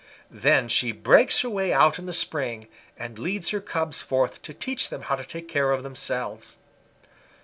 Then she breaks her way out in the spring, and leads her cubs forth to teach them how to take care of themselves.